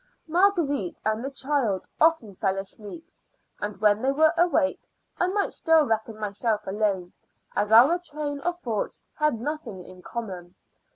Marguerite and the child often fell asleep, and when they were awake I might still reckon myself alone, as our train of thoughts had nothing in common.